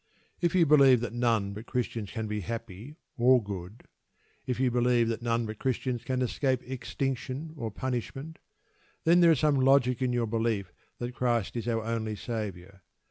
If you believe that none but Christians can be happy or good; or if you believe that none but Christians can escape extinction or punishment, then there is some logic in your belief that Christ is our only Saviour.